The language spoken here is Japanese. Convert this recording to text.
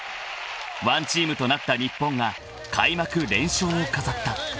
［ワンチームとなった日本が開幕連勝を飾った］